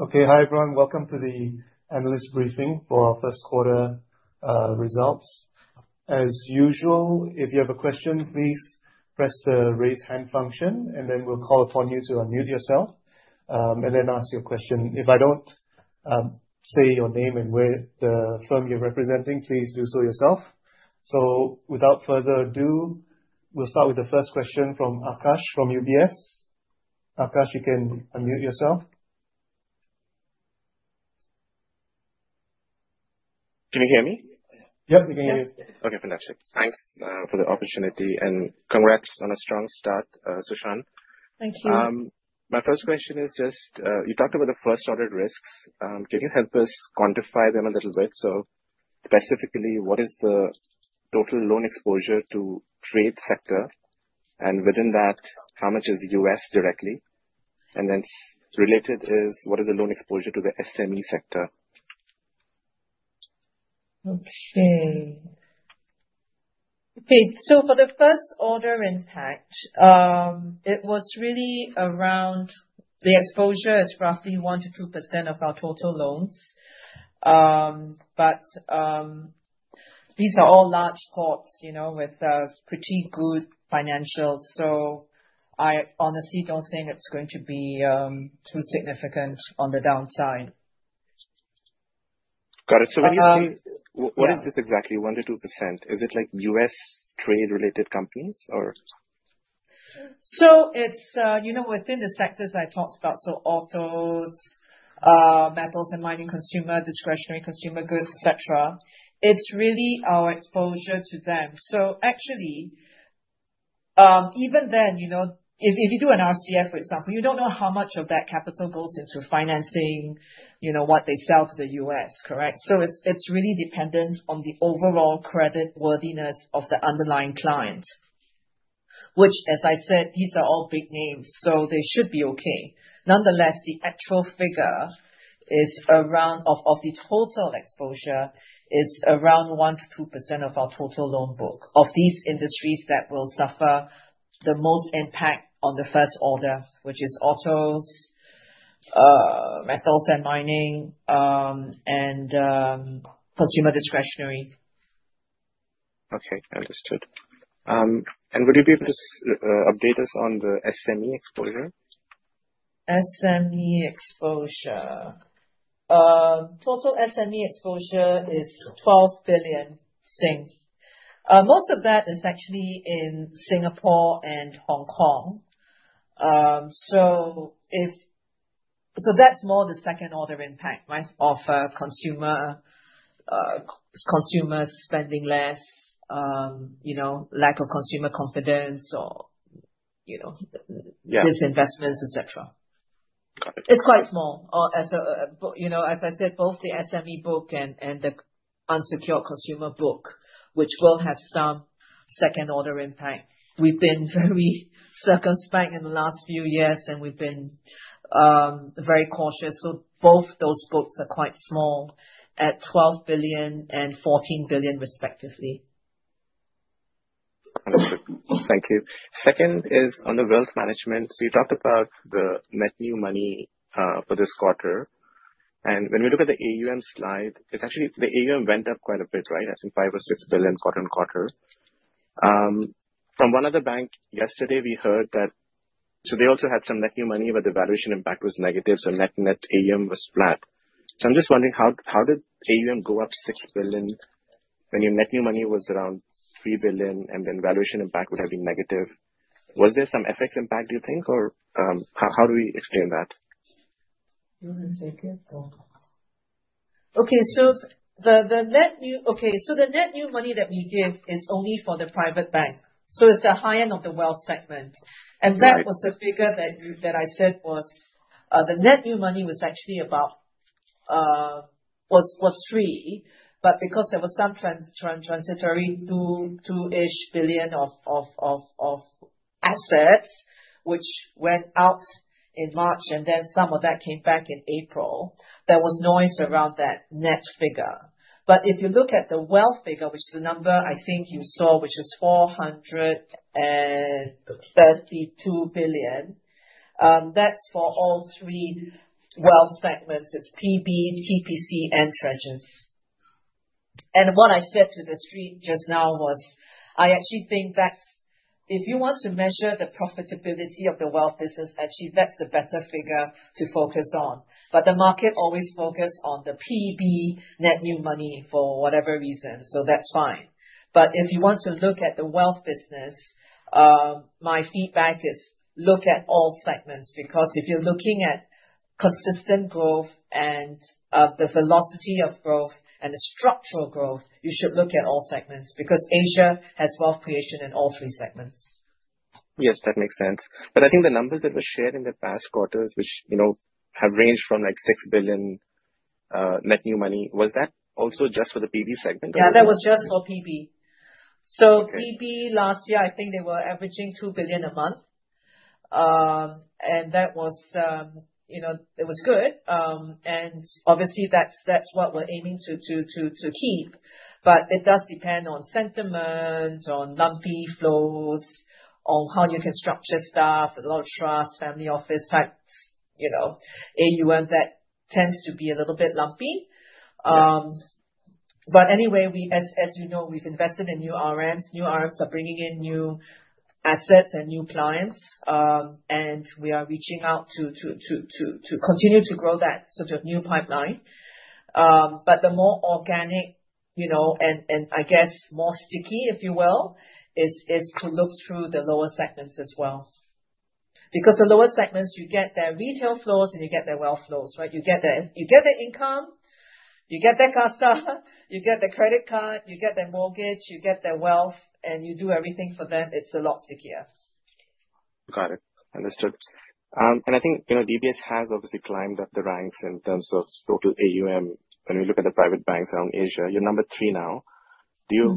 Okay, hi everyone. Welcome to the analyst briefing for our first quarter results. As usual, if you have a question, please press the raise hand function, and then we'll call upon you to unmute yourself and then ask your question. If I don't say your name and the firm you're representing, please do so yourself. So, without further ado, we'll start with the first question from Akash from UBS. Akash, you can unmute yourself. Can you hear me? Yep, we can hear you. Okay, fantastic. Thanks for the opportunity, and congrats on a strong start, Su Shan. Thank you. My first question is just, you talked about the first-order risks. Can you help us quantify them a little bit? So, specifically, what is the total loan exposure to trade sector? And within that, how much is U.S. directly? And then related is, what is the loan exposure to the SME sector? Okay, so for the first-order impact, it was really around the exposure is roughly 1%-2% of our total loans. But these are all large corporates with pretty good financials. So I honestly don't think it's going to be too significant on the downside. Got it. So when you say, what is this exactly, 1%-2%? Is it like U.S. trade-related companies or? So it's within the sectors I talked about, so autos, metals, and mining, consumer discretionary, consumer goods, etc. It's really our exposure to them. So actually, even then, if you do an RCF, for example, you don't know how much of that capital goes into financing what they sell to the U.S., correct? So it's really dependent on the overall creditworthiness of the underlying client, which, as I said, these are all big names, so they should be okay. Nonetheless, the actual figure of the total exposure is around 1%-2% of our total loan book of these industries that will suffer the most impact on the first order, which is autos, metals, and mining, and consumer discretionary. Okay, understood. And would you be able to update us on the SME exposure? SME exposure. Total SME exposure is 12 billion. Most of that is actually in Singapore and Hong Kong. So that's more the second-order impact, right, of consumers spending less, lack of consumer confidence, or these investments, etc. It's quite small. As I said, both the SME book and the unsecured consumer book, which will have some second-order impact. We've been very circumspect in the last few years, and we've been very cautious. So both those books are quite small at 12 billion and 14 billion, respectively. Understood. Thank you. Second is on the wealth management. So you talked about the net new money for this quarter. And when we look at the AUM slide, it's actually the AUM went up quite a bit, right? I think five or six billion quarter on quarter. From one other bank, yesterday we heard that they also had some net new money, but the valuation impact was negative. So net AUM was flat. So I'm just wondering, how did AUM go up six billion when your net new money was around three billion and then valuation impact would have been negative? Was there some FX impact, do you think, or how do we explain that? The net new money that we give is only for the Private Bank. So it's the high end of the wealth segment. And that was a figure that I said was the net new money, which was actually about three, but because there was some transitory two-ish billion of assets which went out in March, and then some of that came back in April, there was noise around that net figure. But if you look at the wealth figure, which is the number I think you saw, which is 432 billion, that's for all three wealth segments. It's PB, TPC, and Treasures. And what I said to the street just now was, I actually think that's the better figure to focus on if you want to measure the profitability of the wealth business. But the market always focuses on the PB, net new money, for whatever reason. So that's fine. But if you want to look at the wealth business, my feedback is look at all segments, because if you're looking at consistent growth and the velocity of growth and the structural growth, you should look at all segments, because Asia has wealth creation in all three segments. Yes, that makes sense. But I think the numbers that were shared in the past quarters, which have ranged from like 6 billion net new money, was that also just for the PB segment? Yeah, that was just for PB. So PB last year, I think they were averaging 2 billion a month. And that was good. And obviously, that's what we're aiming to keep. But it does depend on sentiment, on lumpy flows, on how you can structure stuff, a lot of trust, family office type AUM that tends to be a little bit lumpy. But anyway, as you know, we've invested in new RMs. New RMs are bringing in new assets and new clients. And we are reaching out to continue to grow that sort of new pipeline. But the more organic and I guess more sticky, if you will, is to look through the lower segments as well. Because the lower segments, you get their retail flows and you get their wealth flows, right? You get the income, you get their CASA, you get their credit card, you get their mortgage, you get their wealth, and you do everything for them. It's a lot stickier. Got it. Understood. And I think DBS has obviously climbed up the ranks in terms of total AUM. When we look at the private banks around Asia, you're number three now.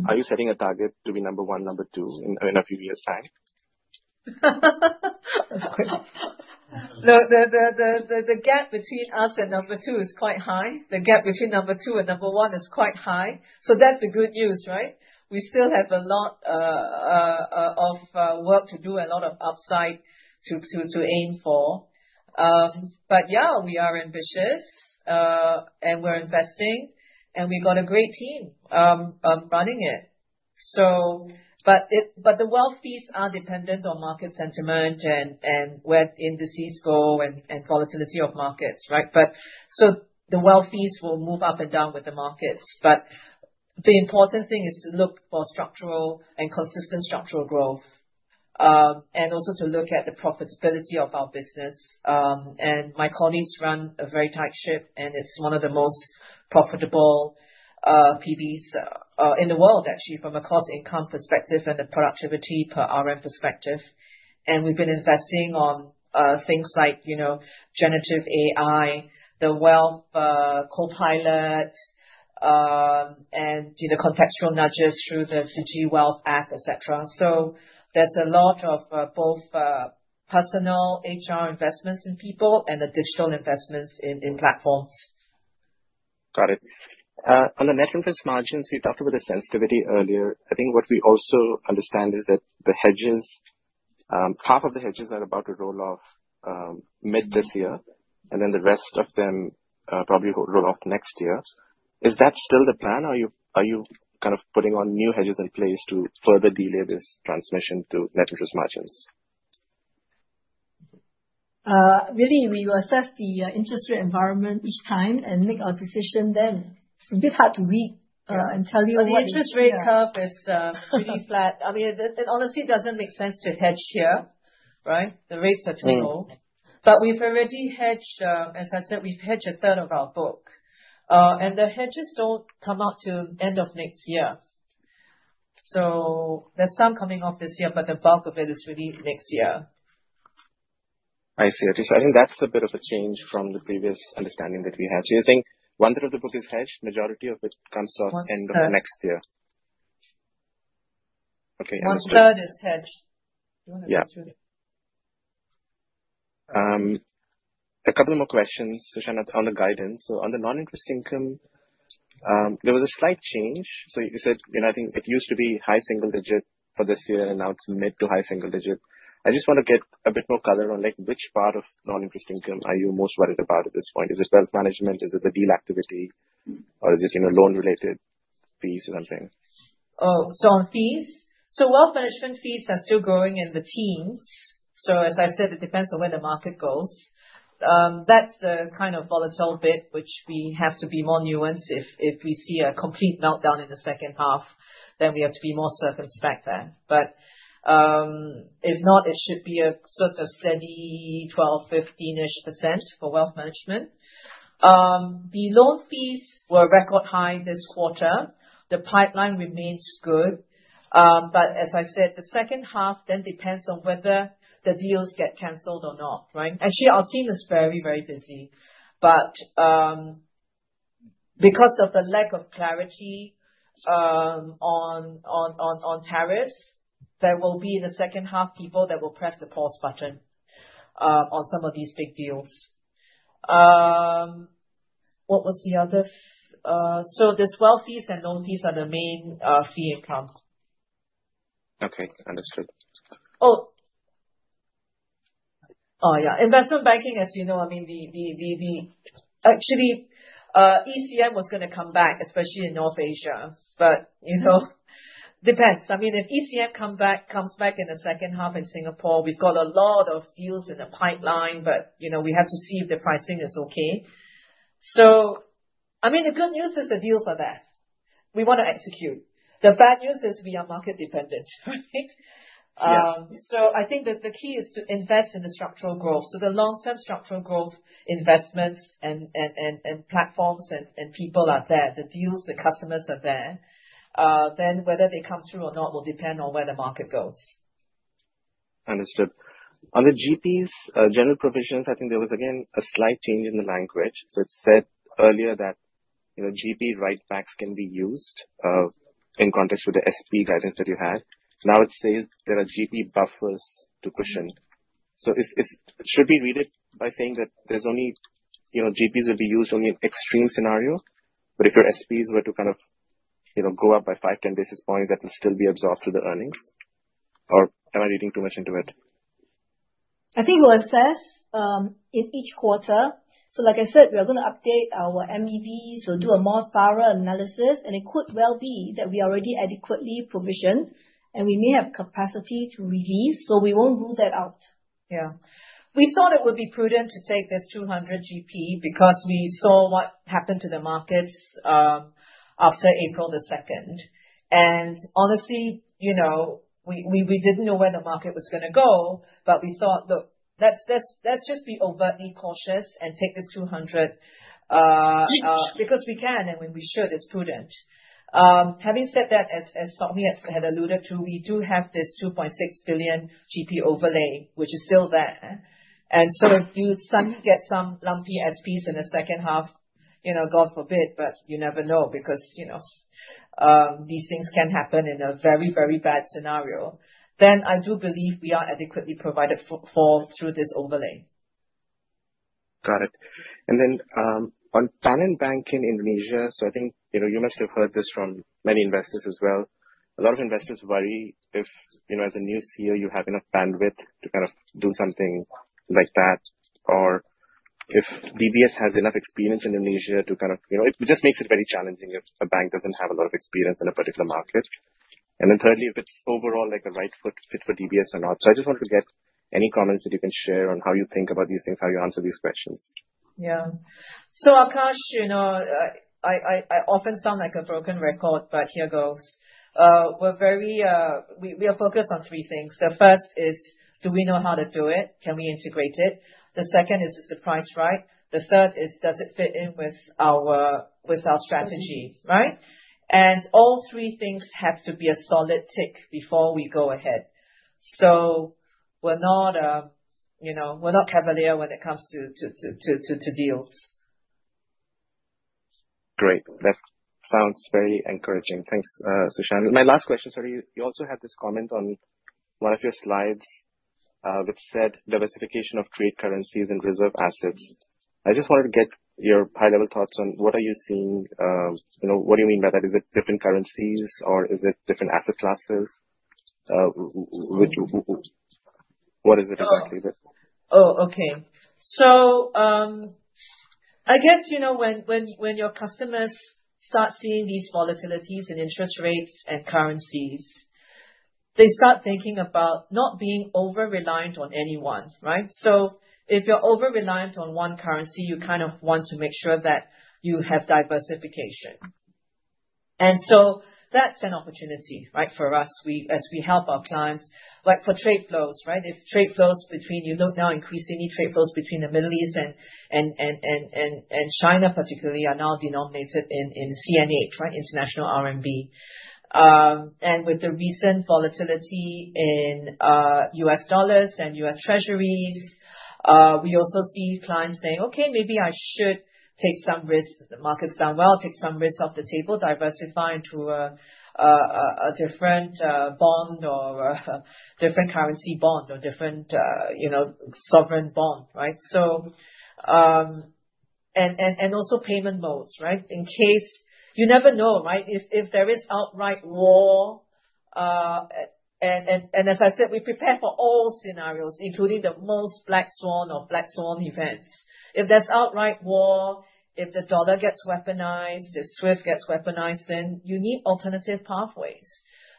Are you setting a target to be number one, number two in a few years' time? No, the gap between us and number two is quite high. The gap between number two and number one is quite high. So that's the good news, right? We still have a lot of work to do, a lot of upside to aim for. But yeah, we are ambitious and we're investing, and we've got a great team running it. But the wealth fees are dependent on market sentiment and where indices go and volatility of markets, right? So the wealth fees will move up and down with the markets. But the important thing is to look for structural and consistent structural growth, and also to look at the profitability of our business. And my colleagues run a very tight ship, and it's one of the most profitable PBs in the world, actually, from a cost income perspective and the productivity per RM perspective. We've been investing on things like generative AI, the Wealth Copilot, and the contextual nudges through the iWealth app, etc. There's a lot of both personal HR investments in people and the digital investments in platforms. Got it. On the net interest margins, we talked about the sensitivity earlier. I think what we also understand is that the hedges, half of the hedges are about to roll off mid this year, and then the rest of them probably will roll off next year. Is that still the plan? Are you kind of putting on new hedges in place to further delay this transmission to net interest margins? Really, we assess the interest rate environment each time and make our decision then. It's a bit hard to read and tell you. The interest rate curve is really flat. I mean, it honestly doesn't make sense to hedge here, right? The rates are too low. But we've already hedged, as I said, we've hedged a third of our book. And the hedges don't come out till end of next year. So there's some coming off this year, but the bulk of it is really next year. I see. I think that's a bit of a change from the previous understanding that we had. So you're saying one third of the book is hedged, majority of it comes out end of next year? Okay. One third is hedged. A couple more questions, Su Shan, on the guidance. So on the non-interest income, there was a slight change. So you said, I think it used to be high single digit for this year, and now it's mid to high single digit. I just want to get a bit more color on which part of non-interest income are you most worried about at this point? Is it wealth management? Is it the deal activity? Or is it loan-related fees or something? Oh, so on fees? Wealth management fees are still growing in the teens. As I said, it depends on where the market goes. That's the kind of volatile bit, which we have to be more nuanced. If we see a complete meltdown in the second half, then we have to be more circumspect then. But if not, it should be a sort of steady 12%-15% for wealth management. The loan fees were record high this quarter. The pipeline remains good. But as I said, the second half then depends on whether the deals get canceled or not, right? Actually, our team is very, very busy. But because of the lack of clarity on tariffs, there will be in the second half people that will press the pause button on some of these big deals. What was the other? So there's wealth fees and loan fees are the main fee income. Okay, understood. Oh, yeah. Investment banking, as you know, I mean, actually, ECM was going to come back, especially in North Asia. But it depends. I mean, if ECM comes back in the second half in Singapore, we've got a lot of deals in the pipeline, but we have to see if the pricing is okay. So I mean, the good news is the deals are there. We want to execute. The bad news is we are market dependent, right? So I think the key is to invest in the structural growth. So the long-term structural growth investments and platforms and people are there. The deals, the customers are there. Then whether they come through or not will depend on where the market goes. Understood. On the GPs, general provisions, I think there was, again, a slight change in the language. So it said earlier that GP writebacks can be used in context with the SP guidance that you had. Now it says there are GP buffers to cushion. So should we read it by saying that there's only GPs will be used only in extreme scenario? But if your SPs were to kind of go up by five, 10 basis points, that will still be absorbed through the earnings. Or am I reading too much into it? I think we'll assess in each quarter, so like I said, we are going to update our MEVs. We'll do a more thorough analysis, and it could well be that we are already adequately provisioned, and we may have capacity to release, so we won't rule that out. Yeah. We thought it would be prudent to take this 200 GP because we saw what happened to the markets after April the 2nd, and honestly, we didn't know where the market was going to go, but we thought, look, let's just be overly cautious and take this 200 because we can, and when we should, it's prudent. Having said that, as Tommy had alluded to, we do have this 2.6 billion GP overlay, which is still there. If you suddenly get some lumpy SPs in the second half, God forbid, but you never know because these things can happen in a very, very bad scenario. I do believe we are adequately provided for through this overlay. Got it. And then on Panin Bank in Indonesia, so I think you must have heard this from many investors as well. A lot of investors worry if, as a new CEO, you have enough bandwidth to kind of do something like that, or if DBS has enough experience in Indonesia to kind of it just makes it very challenging if a bank doesn't have a lot of experience in a particular market. And then thirdly, if it's overall like a right fit for DBS or not. So I just wanted to get any comments that you can share on how you think about these things, how you answer these questions. Yeah, so Akash, I often sound like a broken record, but here goes. We are focused on three things. The first is, do we know how to do it? Can we integrate it? The second is, is the price right? The third is, does it fit in with our strategy, right, and all three things have to be a solid tick before we go ahead, so we're not cavalier when it comes to deals. Great. That sounds very encouraging. Thanks, Su Shan. My last question is, you also had this comment on one of your slides which said diversification of trade currencies and reserve assets. I just wanted to get your high-level thoughts on what are you seeing? What do you mean by that? Is it different currencies, or is it different asset classes? What is it exactly? Oh, okay. So I guess when your customers start seeing these volatilities in interest rates and currencies, they start thinking about not being over-reliant on anyone, right? So if you're over-reliant on one currency, you kind of want to make sure that you have diversification. And so that's an opportunity, right, for us as we help our clients. Like for trade flows, right? If trade flows between, you know now increasingly trade flows between the Middle East and China, particularly, are now denominated in CNH, right, International RMB. And with the recent volatility in US dollars and U.S. treasuries, we also see clients saying, okay, maybe I should take some risk. The market's done well, take some risk off the table, diversify into a different bond or different currency bond or different sovereign bond, right? And also payment modes, right? You never know, right? If there is outright war, and as I said, we prepare for all scenarios, including the most black swan or black swan events. If there's outright war, if the dollar gets weaponized, if SWIFT gets weaponized, then you need alternative pathways.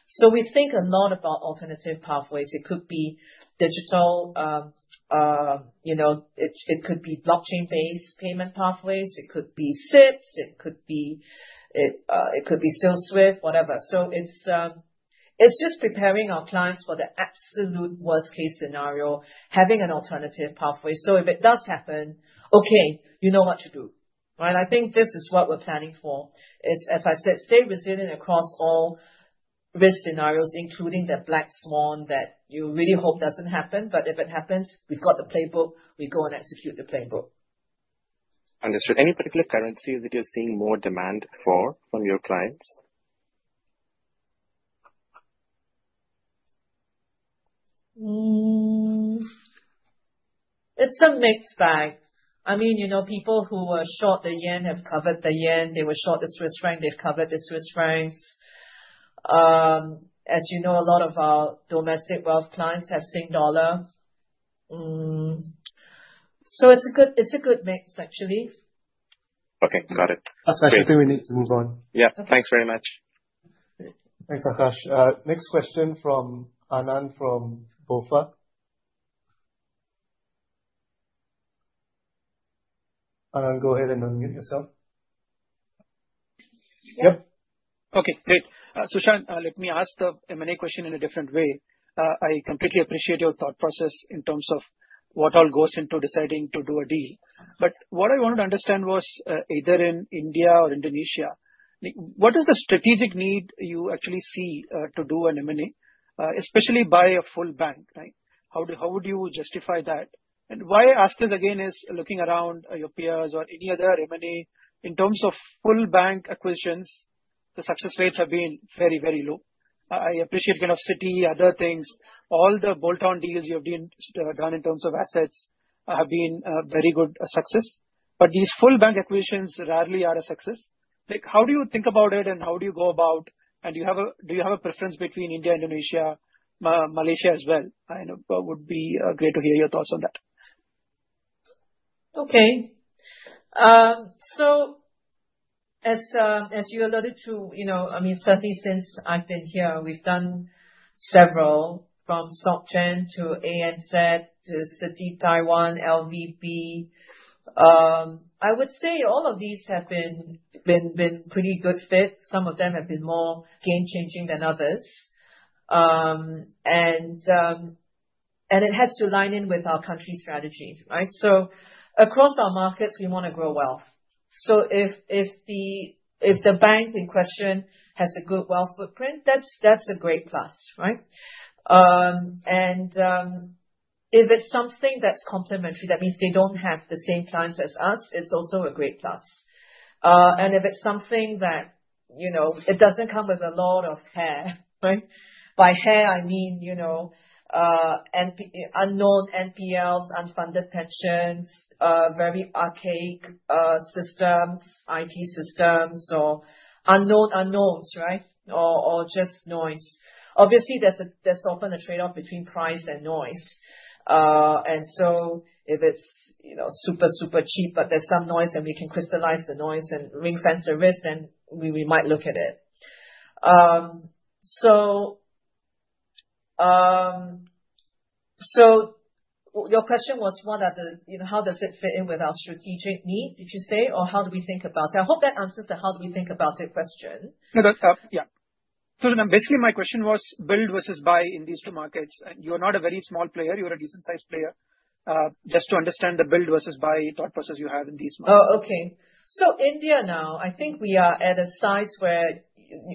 So we think a lot about alternative pathways. It could be digital, it could be blockchain-based payment pathways, it could be CIPS, it could be still SWIFT, whatever. So it's just preparing our clients for the absolute worst-case scenario, having an alternative pathway. So if it does happen, okay, you know what to do, right? I think this is what we're planning for. As I said, stay resilient across all risk scenarios, including the black swan that you really hope doesn't happen, but if it happens, we've got the playbook. We go and execute the playbook. Understood. Any particular currencies that you're seeing more demand for from your clients? It's a mixed bag. I mean, people who were short the yen have covered the yen. They were short the Swiss franc, they've covered the Swiss francs. As you know, a lot of our domestic wealth clients have seen dollar. So it's a good mix, actually. Okay, got it. That's everything we need to move on. Yeah. Thanks very much. Thanks, Akash. Next question from Anand from BofA. Anand, go ahead and unmute yourself. Yep. Okay, great. Su Shan, let me ask the M&A question in a different way. I completely appreciate your thought process in terms of what all goes into deciding to do a deal. But what I wanted to understand was either in India or Indonesia, what is the strategic need you actually see to do an M&A, especially by a full bank, right? How would you justify that? And why I ask this again is looking around your peers or any other M&A in terms of full bank acquisitions, the success rates have been very, very low. I appreciate kind of Citi, other things. All the bolt-on deals you have done in terms of assets have been very good success. But these full bank acquisitions rarely are a success. How do you think about it and how do you go about? Do you have a preference between India, Indonesia, Malaysia as well? It would be great to hear your thoughts on that. Okay. So as you alluded to, I mean, certainly since I've been here, we've done several from SocGen to ANZ to Citi Taiwan, LVB. I would say all of these have been pretty good fit. Some of them have been more game-changing than others, and it has to line in with our country strategy, right? So across our markets, we want to grow wealth. If the bank in question has a good wealth footprint, that's a great plus, right? And if it's something that's complementary, that means they don't have the same clients as us, it's also a great plus. And if it's something that it doesn't come with a lot of hair, right? By hair, I mean unknown NPLs, unfunded pensions, very archaic systems, IT systems, or unknown unknowns, right? Or just noise. Obviously, there's often a trade-off between price and noise. And so if it's super, super cheap, but there's some noise and we can crystallize the noise and ring-fence the risk, then we might look at it. So your question was, how does it fit in with our strategic need, did you say? Or how do we think about it? I hope that answers the how do we think about it question. No, that's helpful. Yeah. So basically, my question was build versus buy in these two markets, and you are not a very small player. You're a decent-sized player. Just to understand the build versus buy thought process you have in these markets. Oh, okay, so India now, I think we are at a size where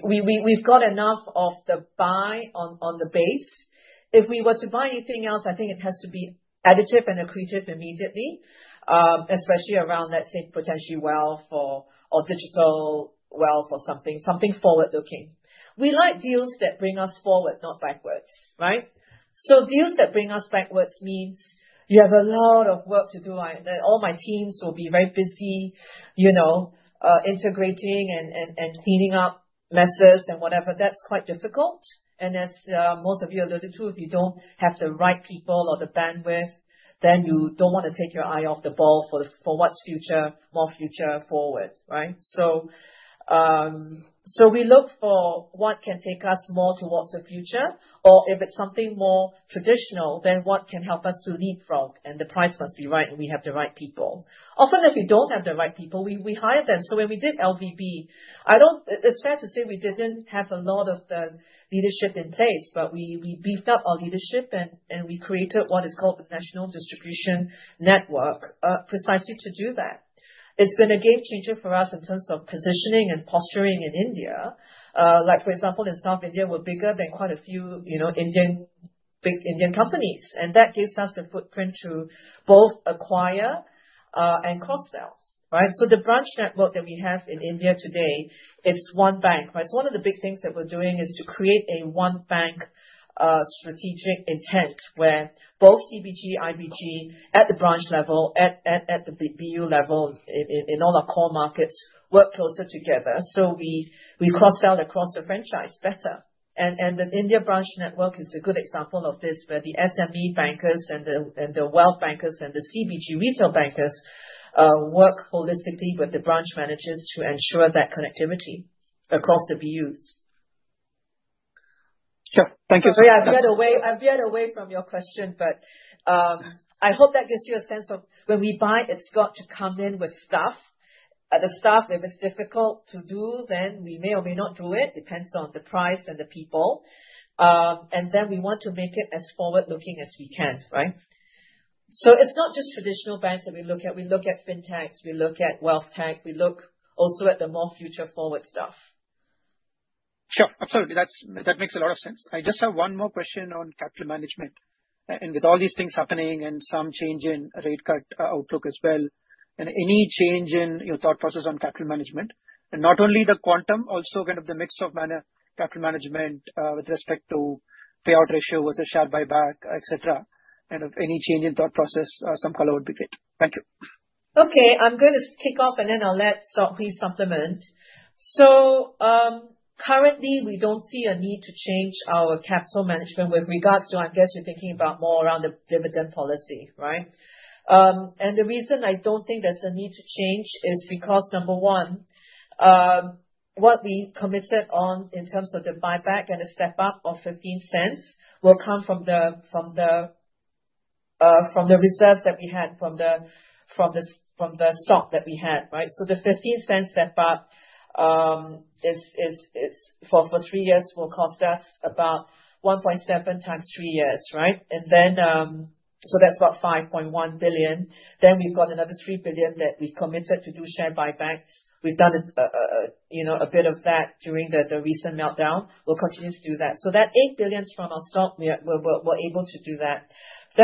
we've got enough of the buy on the base. If we were to buy anything else, I think it has to be additive and accretive immediately, especially around, let's say, potentially wealth or digital wealth or something, something forward-looking. We like deals that bring us forward, not backwards, right, so deals that bring us backwards means you have a lot of work to do. All my teams will be very busy integrating and cleaning up messes and whatever. That's quite difficult, and as most of you alluded to, if you don't have the right people or the bandwidth, then you don't want to take your eye off the ball for what's future, more future forward, right, so we look for what can take us more towards the future. Or if it's something more traditional, then what can help us to leapfrog? And the price must be right and we have the right people. Often, if we don't have the right people, we hire them. So when we did LVB, it's fair to say we didn't have a lot of the leadership in place, but we beefed up our leadership and we created what is called the National Distribution Network precisely to do that. It's been a game changer for us in terms of positioning and posturing in India. Like for example, in South India, we're bigger than quite a few big Indian companies. And that gives us the footprint to both acquire and cross-sell, right? So the branch network that we have in India today, it's one bank, right? So one of the big things that we're doing is to create a one-bank strategic intent where both CBG, IBG at the branch level, at the BU level, in all our core markets, work closer together. So we cross-sell across the franchise better. And the India branch network is a good example of this where the SME bankers and the wealth bankers and the CBG retail bankers work holistically with the branch managers to ensure that connectivity across the BUs. Sure. Thank you. Sorry, I've veered away from your question, but I hope that gives you a sense of when we buy, it's got to come in with stuff. The stuff, if it's difficult to do, then we may or may not do it. It depends on the price and the people. And then we want to make it as forward-looking as we can, right? So it's not just traditional banks that we look at. We look at fintechs. We look at wealth tech. We look also at the more future-forward stuff. Sure. Absolutely. That makes a lot of sense. I just have one more question on capital management, and with all these things happening and some change in rate cut outlook as well, and any change in your thought process on capital management, and not only the quantum, also kind of the mix of capital management with respect to payout ratio versus share buyback, etc., and of any change in thought process, some color would be great. Thank you. Okay. I'm going to kick off, and then I'll let Sok Hui supplement. So currently, we don't see a need to change our capital management with regards to, I guess you're thinking about more around the dividend policy, right? And the reason I don't think there's a need to change is because, number one, what we committed on in terms of the buyback and the step-up of 0.15 will come from the reserves that we had, from the stock that we had, right? So the 0.15 step-up for three years will cost us about 1.7 times three years, right? And then so that's about 5.1 billion. Then we've got another 3 billion that we've committed to do share buybacks. We've done a bit of that during the recent meltdown. We'll continue to do that. So that 8 billion from our stock, we're able to do that. The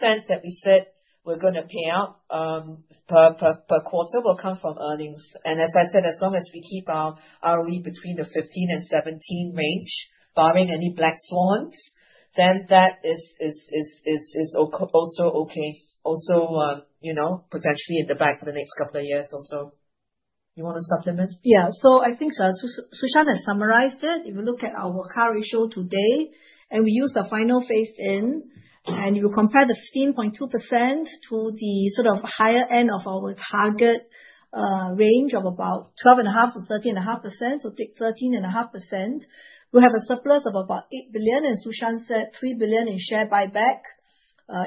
0.60 that we said we're going to pay out per quarter will come from earnings. And as I said, as long as we keep our ROE between the 15%-17% range, barring any Black Swans, then that is also okay, also potentially in the bank for the next couple of years also. You want to supplement? Yeah. So I think Su Shan has summarized it. If you look at our CAR today, and we use the final phase-in, and you compare the 15.2% to the sort of higher end of our target range of about 12.5%-13.5%, so take 13.5%, we'll have a surplus of about 8 billion, as Su Shan said, 3 billion in share buyback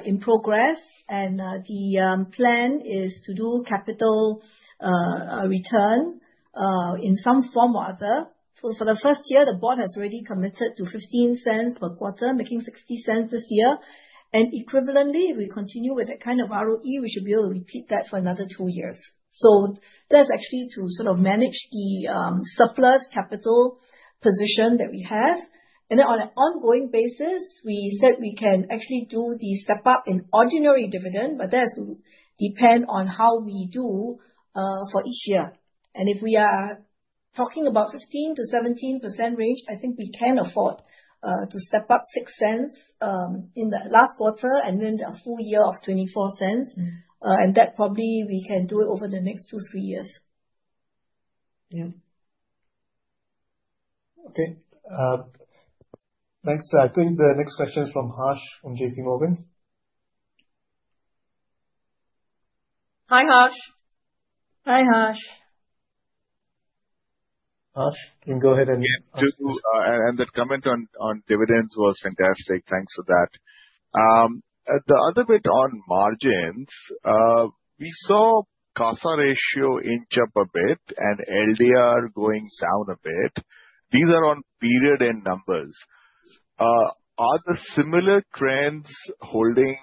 in progress. And the plan is to do capital return in some form or other. For the first year, the board has already committed to 0.15 per quarter, making 0.60 this year. And equivalently, if we continue with that kind of ROE, we should be able to repeat that for another two years. That's actually to sort of manage the surplus capital position that we have. Then on an ongoing basis, we said we can actually do the step-up in ordinary dividend, but that has to depend on how we do for each year. And if we are talking about 15%-17% range, I think we can afford to step up 0.06 in the last quarter and then a full year of 0.24. And that probably we can do it over the next two, three years. Yeah. Okay. Thanks. I think the next question is from Harsh from J.P. Morgan. Hi, Harsh. Hi, Harsh. Harsh, you can go ahead and. Yeah. And that comment on dividends was fantastic. Thanks for that. The other bit on margins, we saw CASA ratio inch up a bit and LDR going down a bit. These are on period end numbers. Are the similar trends holding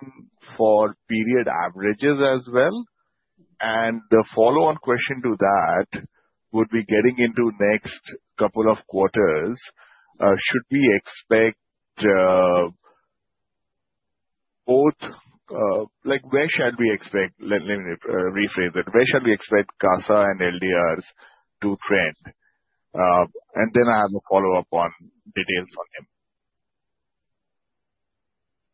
for period averages as well? And the follow-on question to that, would we getting into next couple of quarters, should we expect both? Where shall we expect? Let me rephrase it. Where shall we expect CASA and LDRs to trend? And then I have a follow-up on details on them.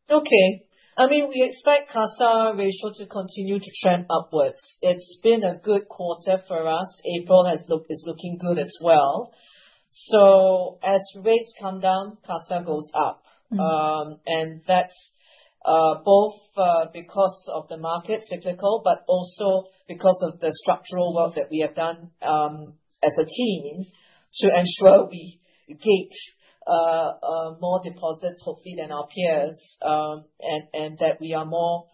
Okay. I mean, we expect CASA ratio to continue to trend upwards. It's been a good quarter for us. April is looking good as well. So as rates come down, CASA goes up. And that's both because of the market cycle, but also because of the structural work that we have done as a team to ensure we get more deposits, hopefully, than our peers, and that we are more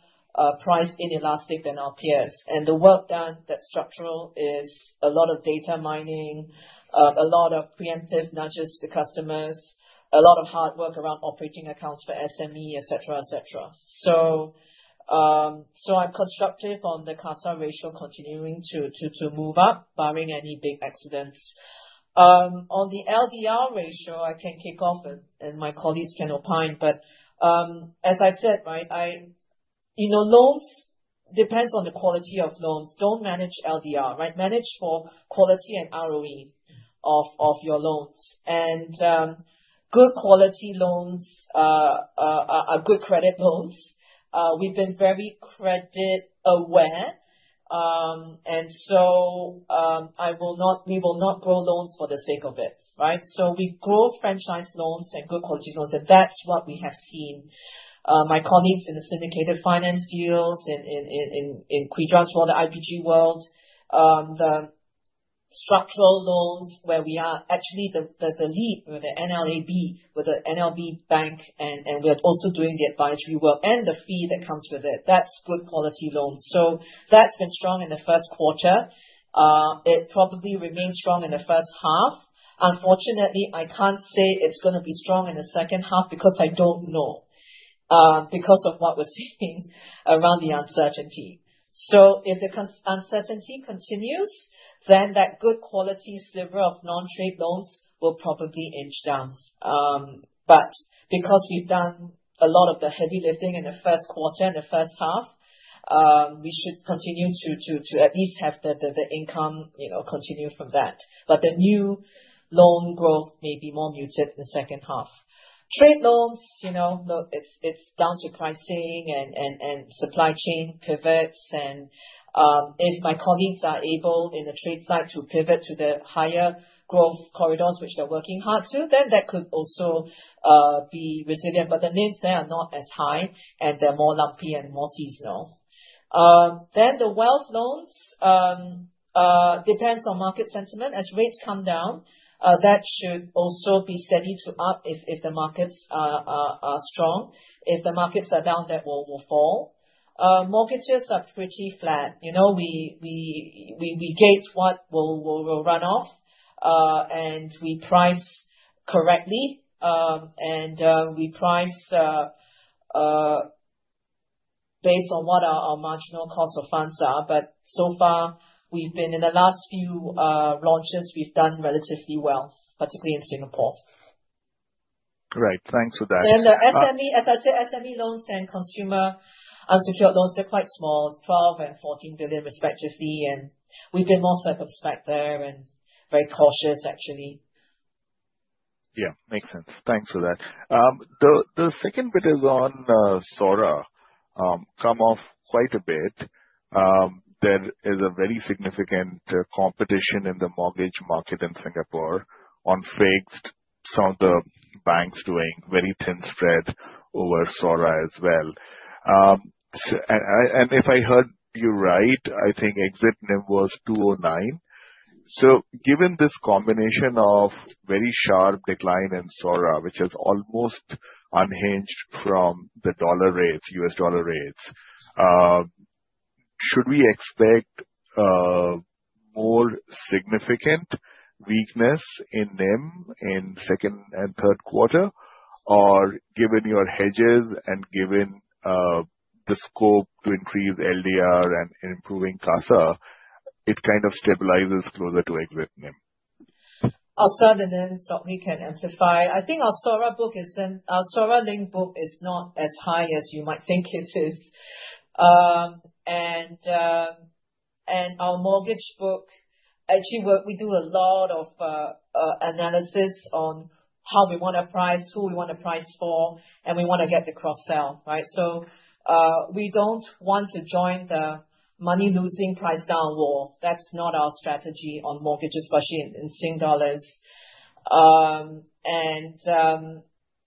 price inelastic than our peers. And the work done, that structural, is a lot of data mining, a lot of preemptive nudges to customers, a lot of hard work around operating accounts for SME, etc., etc. So I'm constructive on the CASA ratio continuing to move up, barring any big accidents. On the LDR ratio, I can kick off and my colleagues can opine. But as I said, right, loans depend on the quality of loans. Don't manage LDR, right? Manage for quality and ROE of your loans. And good quality loans are good credit loans. We've been very credit-aware. And so we will not grow loans for the sake of it, right? So we grow franchise loans and good quality loans. And that's what we have seen. My colleagues in the syndicated finance deals in green loans as well, the IBG world, the structural loans where we are actually the lead with the MLAB, with the MLB bank, and we're also doing the advisory work and the fee that comes with it. That's good quality loans. So that's been strong in the first quarter. It probably remains strong in the first half. Unfortunately, I can't say it's going to be strong in the second half because I don't know, because of what we're seeing around the uncertainty. If the uncertainty continues, then that good quality sliver of non-trade loans will probably inch down, but because we've done a lot of the heavy lifting in the first quarter and the first half, we should continue to at least have the income continue from that, but the new loan growth may be more muted in the second half. Trade loans, it's down to pricing and supply chain pivots, and if my colleagues are able in the trade side to pivot to the higher growth corridors, which they're working hard to, then that could also be resilient, but the names there are not as high, and they're more lumpy and more seasonal, then the wealth loans depend on market sentiment. As rates come down, that should also be steady to up if the markets are strong. If the markets are down, that will fall. Mortgages are pretty flat. We gauge what will run off, and we price correctly. And we price based on what our marginal cost of funds are. But so far, we've been in the last few launches we've done relatively well, particularly in Singapore. Right. Thanks for that. And as I said, SME loans and consumer unsecured loans, they're quite small. It's 12 billion and 14 billion, respectively. And we've been more circumspect there and very cautious, actually. Yeah. Makes sense. Thanks for that. The second bit is on SORA. Come off quite a bit. There is a very significant competition in the mortgage market in Singapore on fixed. Some of the banks doing very thin spread over SORA as well. And if I heard you right, I think exit NIM was 209. So given this combination of very sharp decline in SORA, which is almost unhinged from the US dollar rates, should we expect more significant weakness in NIM in second and third quarter? Or given your hedges and given the scope to increase LDR and improving CASA, it kind of stabilizes closer to exit NIM? I'll share the NIM so we can amplify. I think our SORA-linked book is not as high as you might think it is, and our mortgage book, actually, we do a lot of analysis on how we want to price, who we want to price for, and we want to get the cross-sell, right? So we don't want to join the money-losing price war. That's not our strategy on mortgages, especially in Sing dollars,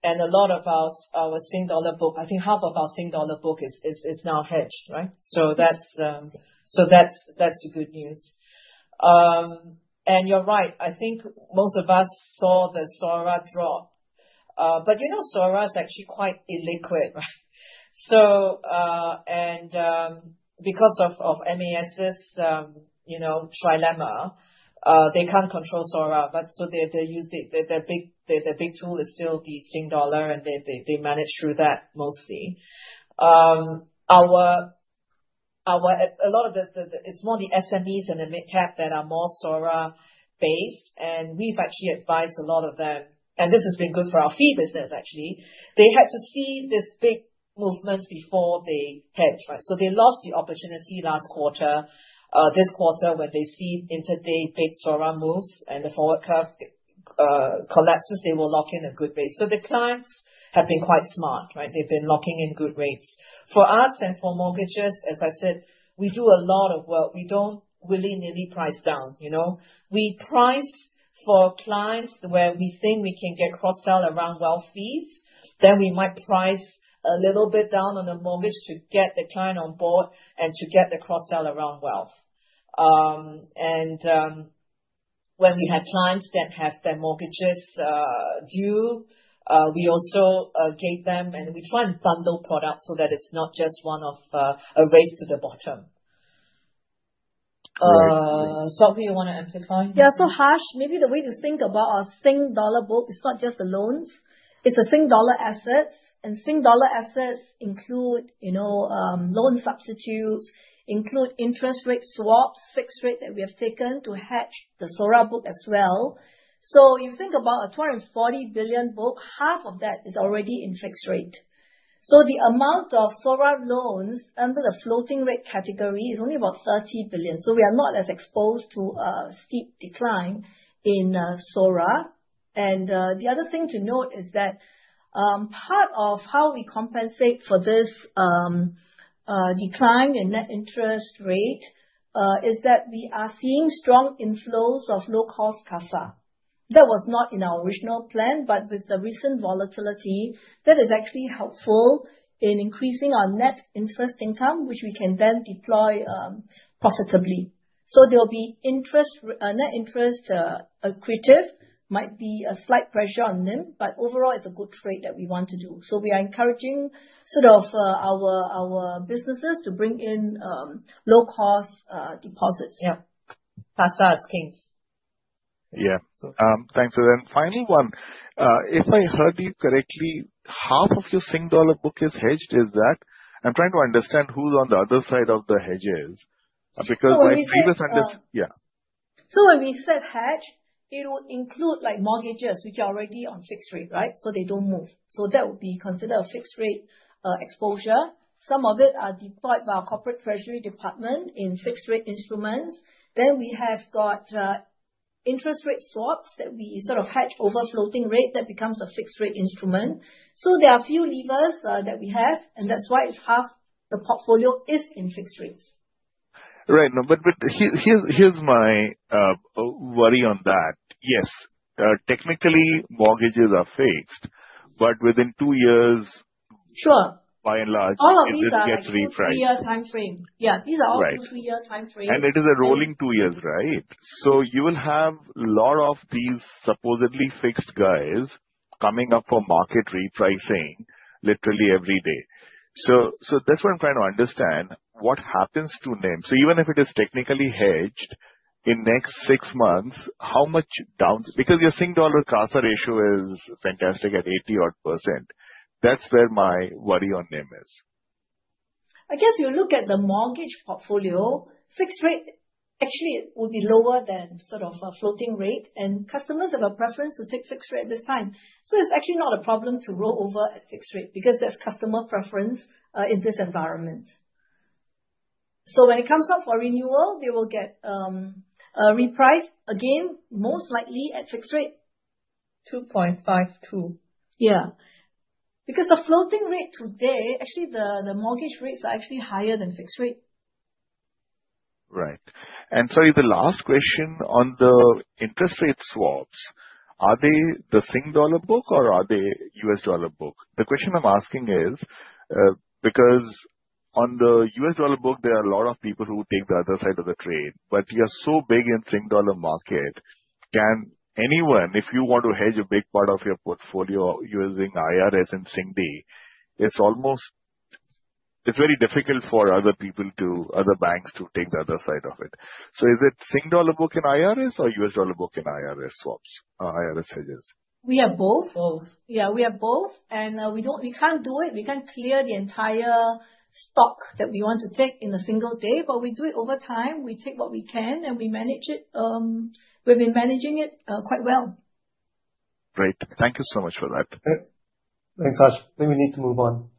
and a lot of our Sing dollar book, I think half of our Sing dollar book is now hedged, right? So that's the good news, and you're right. I think most of us saw the SORA draw, but SORA is actually quite illiquid, right? And because of MAS's trilemma, they can't control SORA, so their big tool is still the Sing dollar, and they manage through that mostly. A lot of it is more the SMEs and the mid-cap that are more SORA-based. And we've actually advised a lot of them. And this has been good for our fee business, actually. They had to see this big movement before they hedged, right? So they lost the opportunity last quarter. This quarter, when they see intraday big SORA moves and the forward curve collapses, they will lock in a good rate. So the clients have been quite smart, right? They've been locking in good rates. For us and for mortgages, as I said, we do a lot of work. We don't willy-nilly price down. We price for clients where we think we can get cross-sell around wealth fees. Then we might price a little bit down on the mortgage to get the client on board and to get the cross-sell around wealth. When we have clients that have their mortgages due, we also gate them, and we try and bundle products so that it's not just a race to the bottom. Sok Hui, you want to amplify? Yeah. So Harsh, maybe the way to think about our Sing dollar book, it's not just the loans. It's the Sing dollar assets. And Sing dollar assets include loan substitutes, include interest rate swaps, fixed rate that we have taken to hedge the SORA book as well. So you think about a 240 billion book, half of that is already in fixed rate. So the amount of SORA loans under the floating rate category is only about 30 billion. So we are not as exposed to a steep decline in SORA. And the other thing to note is that part of how we compensate for this decline in net interest rate is that we are seeing strong inflows of low-cost CASA. That was not in our original plan, but with the recent volatility, that is actually helpful in increasing our net interest income, which we can then deploy profitably. So there will be net interest accretive might be a slight pressure on NIM, but overall, it's a good trade that we want to do. So we are encouraging sort of our businesses to bring in low-cost deposits. Yeah. CASA is king. Yeah. Thanks. And then final one. If I heard you correctly, half of your Sing dollar book is hedged. Is that? I'm trying to understand who's on the other side of the hedges because my previous understanding. So when we said hedge, it will include mortgages, which are already on fixed rate, right? So they don't move. So that would be considered a fixed rate exposure. Some of it are deployed by our corporate treasury department in fixed rate instruments. Then we have got interest rate swaps that we sort of hedge over floating rate that becomes a fixed rate instrument. So there are a few levers that we have, and that's why half the portfolio is in fixed rates. Right. But here's my worry on that. Yes. Technically, mortgages are fixed, but within two years. Sure. By and large, it gets repriced. All of these are three-year time frame. Yeah. These are all for three-year time frame. And it is a rolling two years, right? So you will have a lot of these supposedly fixed guys coming up for market repricing literally every day. So that's what I'm trying to understand. What happens to NIM? So even if it is technically hedged, in next six months, how much down? Because your Sing dollar CASA ratio is fantastic at 80-odd%. That's where my worry on NIM is. I guess you look at the mortgage portfolio, fixed rate actually would be lower than sort of a floating rate, and customers have a preference to take fixed rate this time. So it's actually not a problem to roll over at fixed rate because that's customer preference in this environment. So when it comes up for renewal, they will get repriced again, most likely at fixed rate. 2.52%. Yeah. Because the floating rate today, actually, the mortgage rates are actually higher than fixed rate. Right. And sorry, the last question on the interest rate swaps, are they the Sing dollar book or are they US dollar book? The question I'm asking is because on the US dollar book, there are a lot of people who take the other side of the trade. But you're so big in Sing dollar market, can anyone, if you want to hedge a big part of your portfolio using IRS and SING, it's very difficult for other people, other banks to take the other side of it. So is it Sing dollar book in IRS or US dollar book in IRS swaps, IRS hedges? We are both. Yeah, we are both, and we can't do it. We can't clear the entire stock that we want to take in a single day, but we do it over time. We take what we can and we manage it. We've been managing it quite well. Great. Thank you so much for that. Thanks, Harsh. I think we need to move on.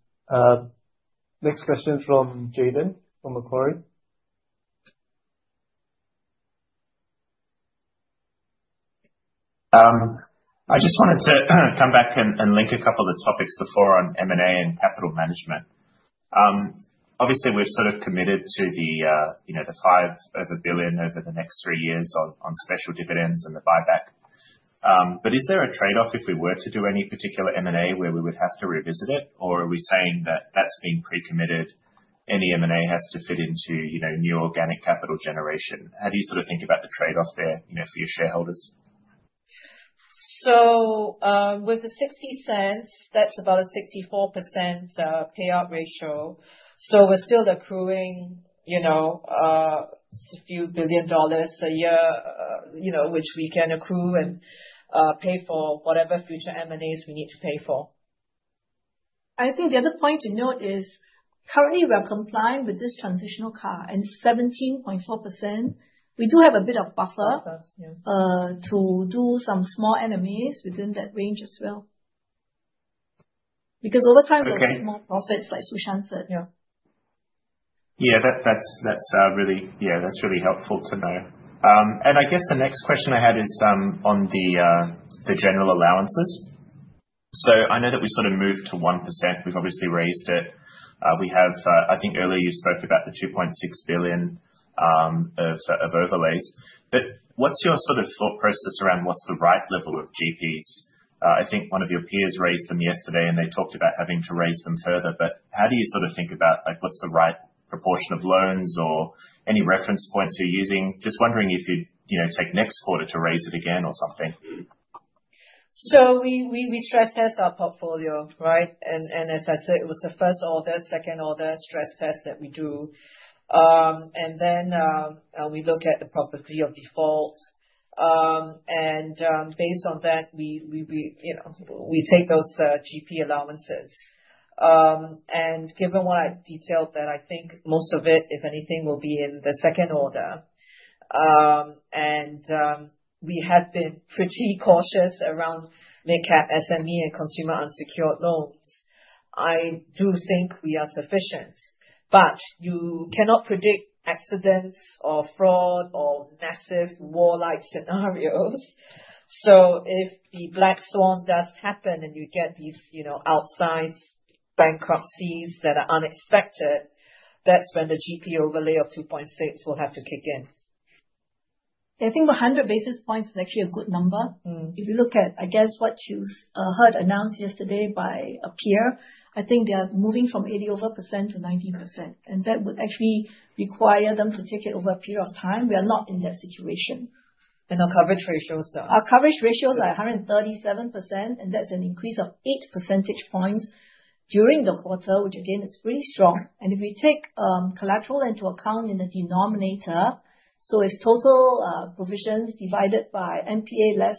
Next question from Jayden from Macquarie. I just wanted to come back and link a couple of the topics before on M&A and capital management. Obviously, we've sort of committed to the S$5 billion over the next three years on special dividends and the buyback. But is there a trade-off if we were to do any particular M&A where we would have to revisit it? Or are we saying that that's being pre-committed? Any M&A has to fit into new organic capital generation. How do you sort of think about the trade-off there for your shareholders? With the 0.60, that's about a 64% payout ratio. We're still accruing a few billion SGD a year, which we can accrue and pay for whatever future M&As we need to pay for. I think the other point to note is currently we are complying with this transitional CAR at 17.4%. We do have a bit of buffer to do some small M&As within that range as well. Because over time, we'll make more profits like Su Shan said. Yeah. Yeah. That's really helpful to know. And I guess the next question I had is on the general allowances. So I know that we sort of moved to 1%. We've obviously raised it. I think earlier you spoke about the 2.6 billion of overlays. But what's your sort of thought process around what's the right level of GPs? I think one of your peers raised them yesterday, and they talked about having to raise them further. But how do you sort of think about what's the right proportion of loans or any reference points you're using? Just wondering if you'd take next quarter to raise it again or something. So we stress test our portfolio, right? And as I said, it was the first order, second order stress test that we do. And then we look at the probability of default. And based on that, we take those GP allowances. And given what I detailed there, I think most of it, if anything, will be in the second order. And we have been pretty cautious around mid-cap SME and consumer unsecured loans. I do think we are sufficient. But you cannot predict accidents or fraud or massive war-like scenarios. So if the Black Swan does happen and you get these outsized bankruptcies that are unexpected, that's when the GP overlay of 2.6 will have to kick in. Yeah. I think 100 basis points is actually a good number. If you look at, I guess, what you heard announced yesterday by a peer, I think they are moving from 80 over% to 90%, and that would actually require them to take it over a period of time. We are not in that situation. Our coverage ratios are. Our coverage ratios are 137%, and that's an increase of 8 percentage points during the quarter, which again, is pretty strong, and if we take collateral into account in the denominator, so it's total provisions divided by NPA less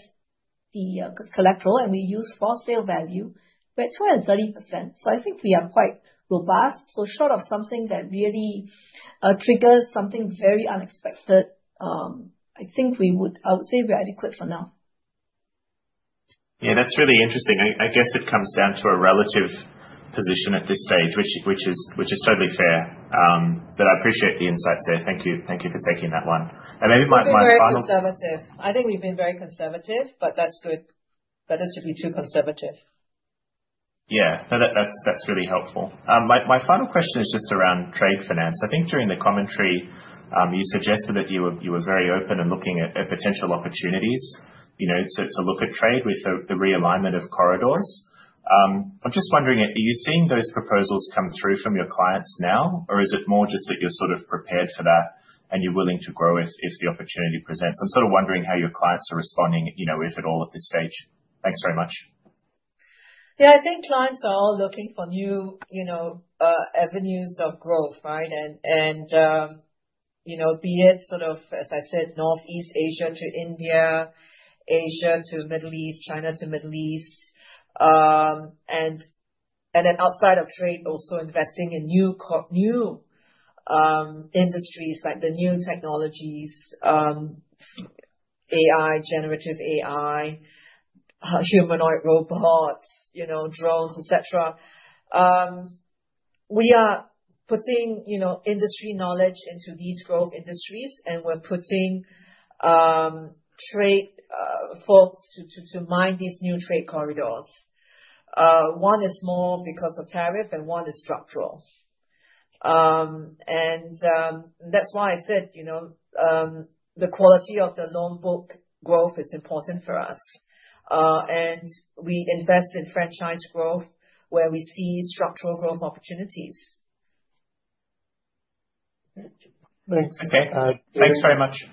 the collateral, and we use for sale value, we're at 230%, so I think we are quite robust, so short of something that really triggers something very unexpected, I think we would, I would say we're adequate for now. Yeah. That's really interesting. I guess it comes down to a relative position at this stage, which is totally fair. But I appreciate the insights there. Thank you for taking that one. And maybe my final. We're very conservative. I think we've been very conservative, but that's good. Better to be too conservative. Yeah. No, that's really helpful. My final question is just around trade finance. I think during the commentary, you suggested that you were very open and looking at potential opportunities to look at trade with the realignment of corridors. I'm just wondering, are you seeing those proposals come through from your clients now, or is it more just that you're sort of prepared for that and you're willing to grow if the opportunity presents? I'm sort of wondering how your clients are responding, if at all, at this stage. Thanks very much. Yeah. I think clients are all looking for new avenues of growth, right? And be it sort of, as I said, Northeast Asia to India, Asia to Middle East, China to Middle East. And then outside of trade, also investing in new industries like the new technologies, AI, generative AI, humanoid robots, drones, etc. We are putting industry knowledge into these growth industries, and we're putting trade folks to mine these new trade corridors. One is more because of tariff, and one is structural. And that's why I said the quality of the loan book growth is important for us. And we invest in franchise growth where we see structural growth opportunities. Thanks. Okay. Thanks very much.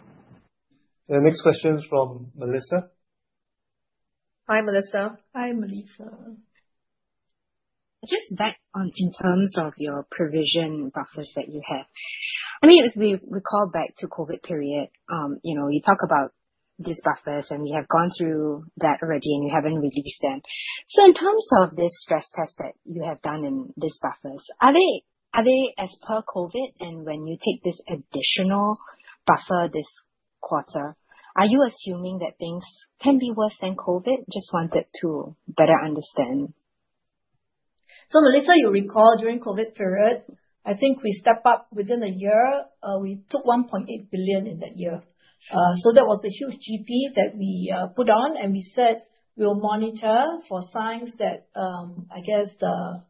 The next question is from Melissa Kuang. Hi, Melissa. Hi, Melissa. Just back in terms of your provision buffers that you have. I mean, if we recall back to COVID period, you talk about these buffers, and we have gone through that already, and you haven't released them. So in terms of this stress test that you have done in these buffers, are they, as per COVID, and when you take this additional buffer this quarter, are you assuming that things can be worse than COVID? Just wanted to better understand. So, Melissa, you recall during COVID period, I think we stepped up within a year. We took 1.8 billion in that year. So that was a huge GP that we put on, and we said we will monitor for signs that, I guess, the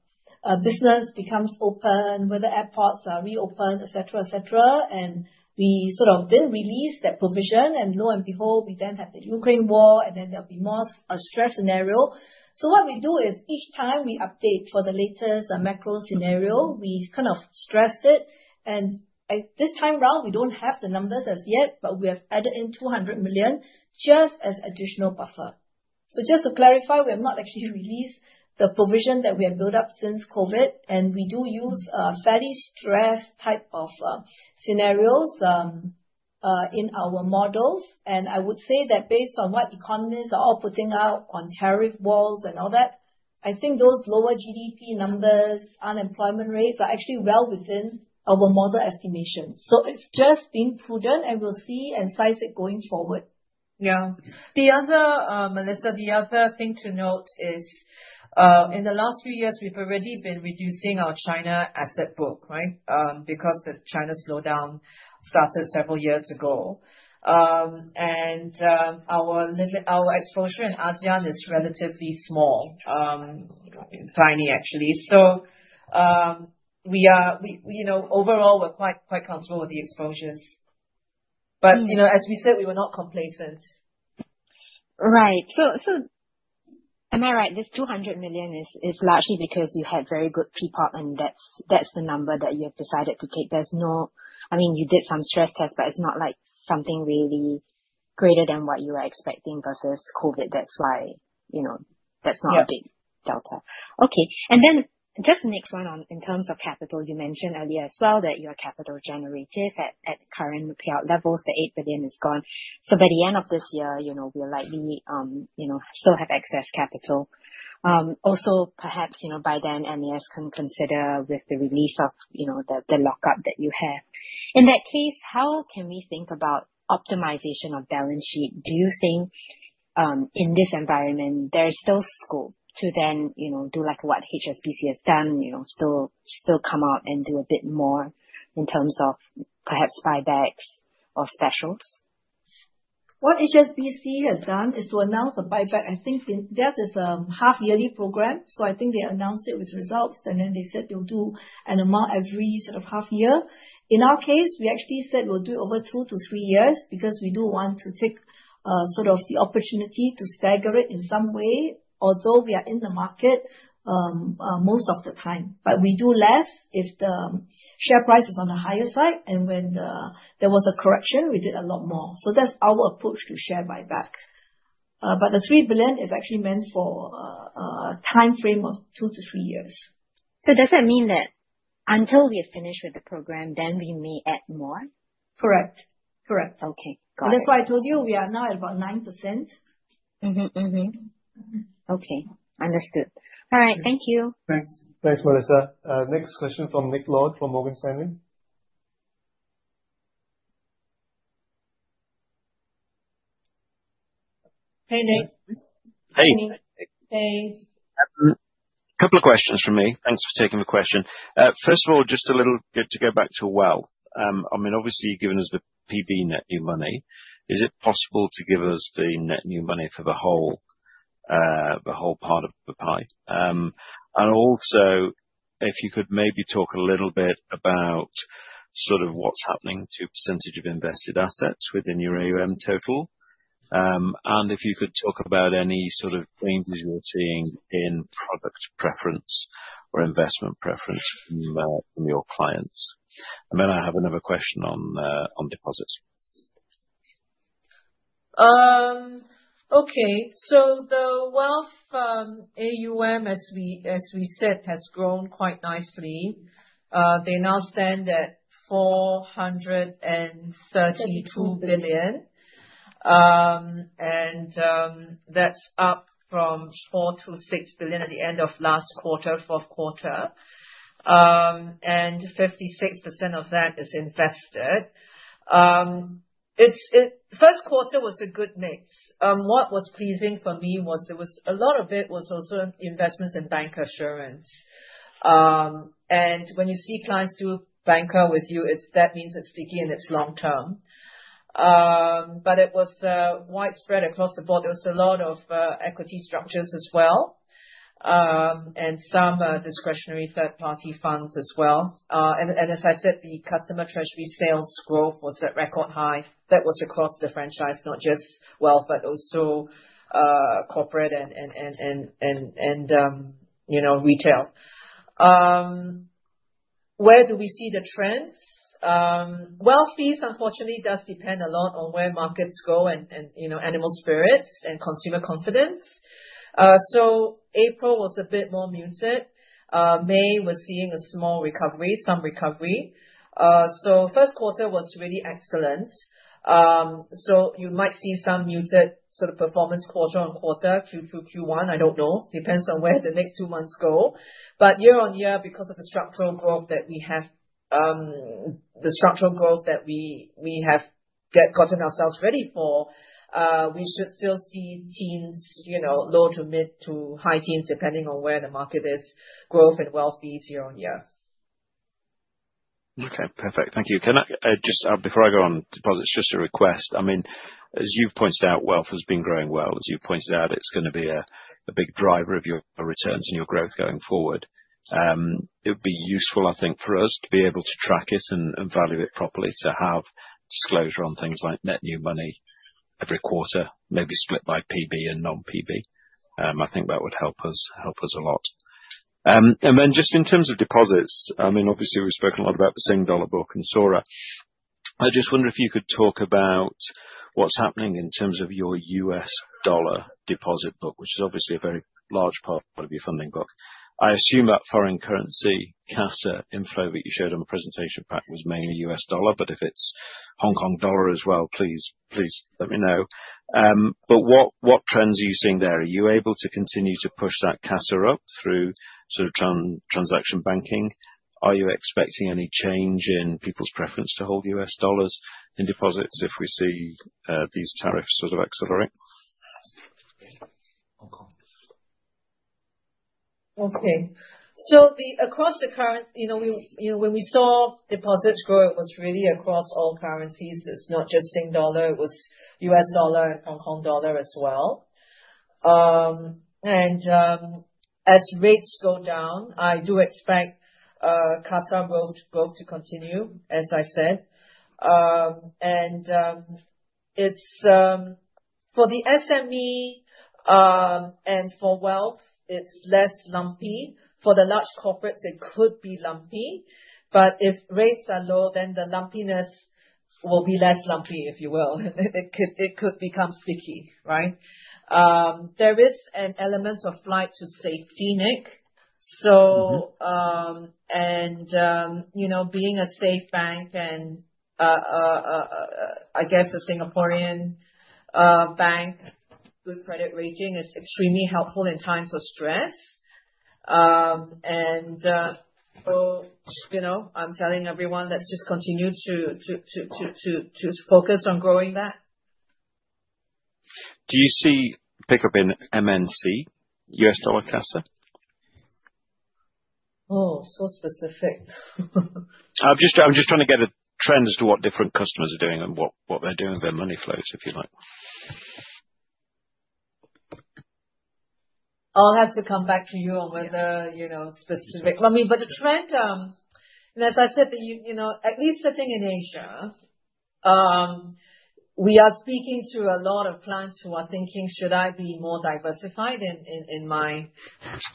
business becomes open, whether airports are reopened, etc., etc. And we sort of didn't release that provision. And lo and behold, we then have the Ukraine war, and then there'll be more stress scenario. So what we do is each time we update for the latest macro scenario, we kind of stressed it. And this time round, we don't have the numbers as yet, but we have added in 200 million just as additional buffer. So just to clarify, we have not actually released the provision that we have built up since COVID. And we do use fairly stressed type of scenarios in our models. I would say that based on what economists are all putting out on tariff walls and all that, I think those lower GDP numbers, unemployment rates are actually well within our model estimation. It's just been prudent, and we'll see and size it going forward. Yeah. Melissa, the other thing to note is in the last few years, we've already been reducing our China asset book, right, because the China slowdown started several years ago, and our exposure in ASEAN is relatively small, tiny, actually, so overall, we're quite comfortable with the exposures, but as we said, we were not complacent. Right. So am I right? This 200 million is largely because you had very good PPOP, and that's the number that you have decided to take. I mean, you did some stress test, but it's not like something really greater than what you were expecting versus COVID. That's why that's not a big delta. Okay. And then just the next one in terms of capital, you mentioned earlier as well that you are capital generative at current payout levels. The 8 billion is gone. So by the end of this year, we'll likely still have excess capital. Also, perhaps by then, MAS can consider with the release of the lockup that you have. In that case, how can we think about optimization of balance sheet? Do you think in this environment, there is still scope to then do like what HSBC has done, still come out and do a bit more in terms of perhaps buybacks or specials? What HSBC has done is to announce a buyback. I think theirs is a half-yearly program. So I think they announced it with results, and then they said they'll do an amount every sort of half year. In our case, we actually said we'll do it over two to three years because we do want to take sort of the opportunity to stagger it in some way, although we are in the market most of the time. But we do less if the share price is on the higher side. And when there was a correction, we did a lot more. So that's our approach to share buyback. But the 3 billion is actually meant for a timeframe of two to three years. So does that mean that until we are finished with the program, then we may add more? Correct. Correct. Okay. Got it. That's why I told you we are now at about 9%. Okay. Understood. All right. Thank you. Thanks. Thanks, Melissa. Next question from Nick Lord from Morgan Stanley. Hey, Nick. Hey. Hey. A couple of questions from me. Thanks for taking the question. First of all, just a little bit to go back to wealth. I mean, obviously, given as the PB net new money, is it possible to give us the net new money for the whole part of the pie? And also, if you could maybe talk a little bit about sort of what's happening to percentage of invested assets within your AUM total. And if you could talk about any sort of changes you're seeing in product preference or investment preference from your clients. And then I have another question on deposits. Okay. So the wealth AUM, as we said, has grown quite nicely. They now stand at 432 billion. And that's up from 4 billion-6 billion at the end of last quarter, fourth quarter. And 56% of that is invested. First quarter was a good mix. What was pleasing for me was there was a lot of it was also investments in bancassurance. And when you see clients do bancassurance with you, that means it's sticky and it's long-term. But it was widespread across the board. There was a lot of equity structures as well, and some discretionary third-party funds as well. And as I said, the treasury customer sales growth was at record high. That was across the franchise, not just wealth, but also corporate and retail. Where do we see the trends? Wealth fees, unfortunately, does depend a lot on where markets go and animal spirits and consumer confidence. So April was a bit more muted. May was seeing a small recovery, some recovery. So first quarter was really excellent. So you might see some muted sort of performance quarter on quarter, Q2, Q1. I don't know. Depends on where the next two months go. But year on year, because of the structural growth that we have, the structural growth that we have gotten ourselves ready for, we should still see teens, low to mid to high teens, depending on where the market is, growth and wealth fees year on year. Okay. Perfect. Thank you. Just before I go on deposits, just a request. I mean, as you've pointed out, wealth has been growing well. As you've pointed out, it's going to be a big driver of your returns and your growth going forward. It would be useful, I think, for us to be able to track it and value it properly, to have disclosure on things like net new money every quarter, maybe split by PB and non-PB. I think that would help us a lot. And then just in terms of deposits, I mean, obviously, we've spoken a lot about the Sing Dollar book and SORA. I just wonder if you could talk about what's happening in terms of your US dollar deposit book, which is obviously a very large part of your funding book. I assume that foreign currency CASA inflow that you showed on the presentation pack was mainly U.S. dollar, but if it's Hong Kong dollar as well, please let me know. But what trends are you seeing there? Are you able to continue to push that CASA up through sort of transaction banking? Are you expecting any change in people's preference to hold U.S. dollars in deposits if we see these tariffs sort of accelerate? Okay. Across the quarter, when we saw deposits grow, it was really across all currencies. It's not just Sing dollar. It was U.S. dollar and Hong Kong dollar as well. As rates go down, I do expect CASA growth to continue, as I said. For the SME and for wealth, it's less lumpy. For the large corporates, it could be lumpy. But if rates are low, then the lumpiness will be less lumpy, if you will. It could become sticky, right? There is an element of flight to safety, Nick. Being a safe bank and, I guess, a Singaporean bank, good credit rating is extremely helpful in times of stress. So I'm telling everyone, let's just continue to focus on growing that. Do you see pickup in MNC, US dollar CASA? Oh, so specific. I'm just trying to get a trend as to what different customers are doing and what they're doing with their money flows, if you like. I'll have to come back to you on whether specific. I mean, but the trend, and as I said, at least sitting in Asia, we are speaking to a lot of clients who are thinking, "Should I be more diversified in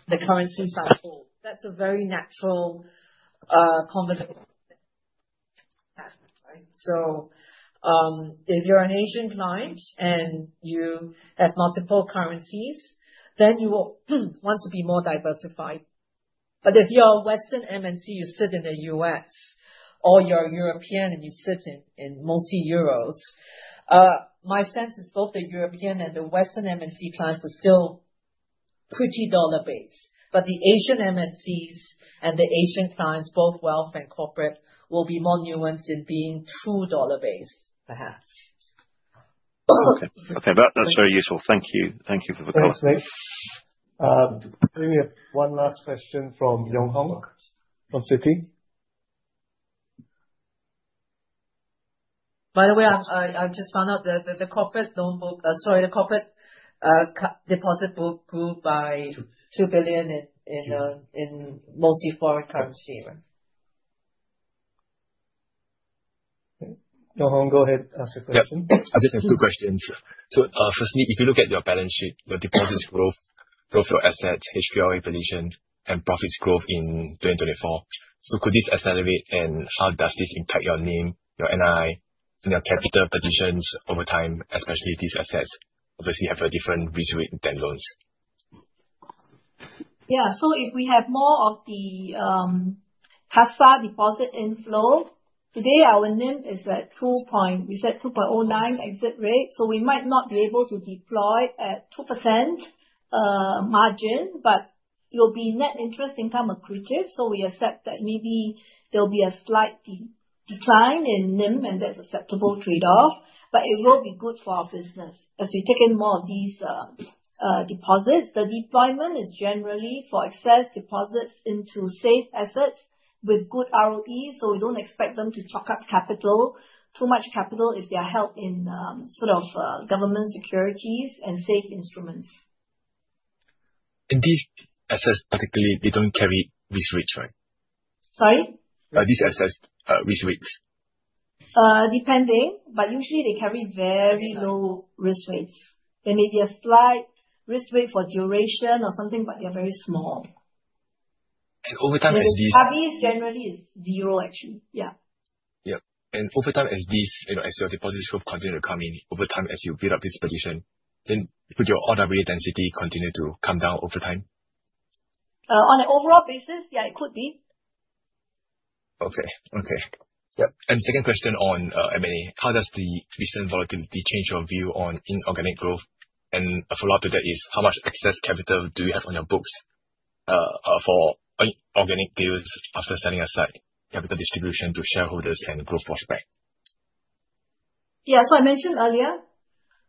the currencies I hold?" That's a very natural conversation. So if you're an Asian client and you have multiple currencies, then you will want to be more diversified. But if you're a Western MNC, you sit in the U.S., or you're a European and you sit in mostly euros, my sense is both the European and the Western MNC clients are still pretty dollar-based. But the Asian MNCs and the Asian clients, both wealth and corporate, will be more nuanced in being true dollar-based, perhaps. Okay. That's very useful. Thank you. Thank you for the call. Thanks, Nick. We have one last question from Yong Hong from Citi. By the way, I just found out that the corporate loan book sorry, the corporate deposit book grew by 2 billion in mostly foreign currency. Yong Hong, go ahead. Ask your question. Yes. I just have two questions. So, firstly, if you look at your balance sheet, your deposits growth, growth of your assets, HQLA position, and profits growth in 2024, so could this accelerate, and how does this impact your NIM, your NII, and your capital positions over time, especially these assets obviously have a different return than loans? Yeah. So if we have more of the CASA deposit inflow, today our NIM is at 2%. We said 2.09% exit rate. So we might not be able to deploy at 2% margin, but it will be net interest income accretive. So we accept that maybe there will be a slight decline in NIM, and that's acceptable trade-off. But it will be good for our business as we take in more of these deposits. The deployment is generally for excess deposits into safe assets with good ROE, so we don't expect them to chalk up capital, too much capital if they are held in sort of government securities and safe instruments. These assets, particularly, they don't carry risk weights, right? Sorry? Are these assets' risk weights? Depending. But usually, they carry very low risk weights. There may be a slight risk weight for duration or something, but they're very small. Over time as these? RWAs generally is zero, actually. Yeah. Yep. And over time as these excess deposits continue to come in, over time as you build up this position, then could your RWA density continue to come down over time? On an overall basis, yeah, it could be. And second question on M&A, how does the recent volatility change your view on inorganic growth? And a follow-up to that is, how much excess capital do you have on your books for organic deals after setting aside capital distribution to shareholders and growth prospect? Yeah. So I mentioned earlier,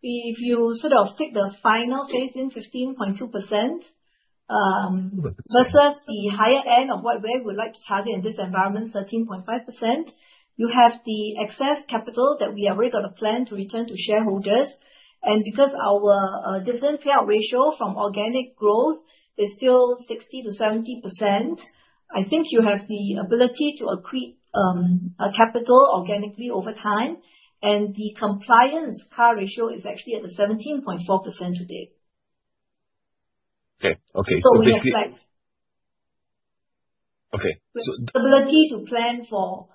if you sort of take the CET1 in 15.2% versus the higher end of what we would like to target in this environment, 13.5%, you have the excess capital that we have already got a plan to return to shareholders. And because our dividend payout ratio from organic growth is still 60%-70%, I think you have the ability to accrete capital organically over time. And the capital CAR ratio is actually at 17.4% today. Okay. So basically. We have flex. Okay. So. Flexibility to plan for.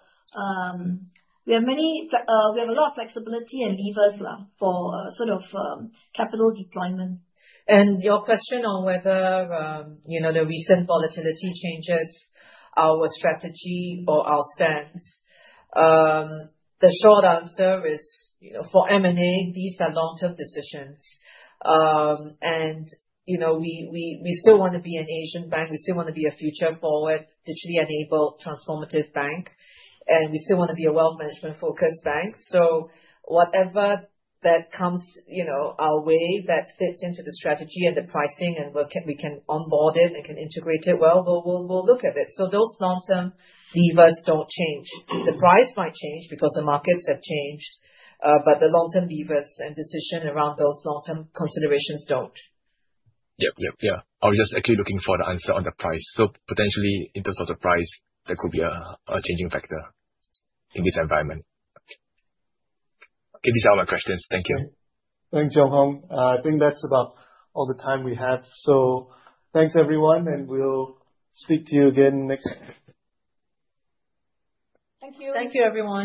We have a lot of flexibility and levers for sort of capital deployment. And your question on whether the recent volatility changes our strategy or our stance, the short answer is for M&A, these are long-term decisions. And we still want to be an Asian bank. We still want to be a future-forward, digitally enabled, transformative bank. And we still want to be a wealth management-focused bank. So whatever that comes our way that fits into the strategy and the pricing and we can onboard it and can integrate it well, we'll look at it. So those long-term levers don't change. The price might change because the markets have changed, but the long-term levers and decision around those long-term considerations don't. Yep. Yep. Yeah. I was just actually looking for the answer on the price. So potentially, in terms of the price, there could be a changing factor in this environment. Okay. These are all my questions. Thank you. Thanks, Yong Hong. I think that's about all the time we have. So thanks, everyone, and we'll speak to you again next week. Thank you. Thank you, everyone.